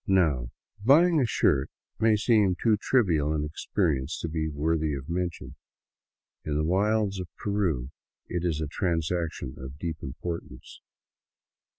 Now, buying a shirt may seem too trivial an experience to be worthy of mention; in the wilds of Peru it is a transaction of deep importance.